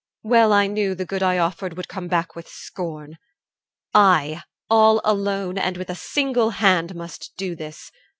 Well I knew The good I offered would come back with scorn. I, all alone and with a single hand, Must do this.